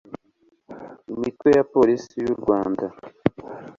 imitwe ya polisi y u rwanda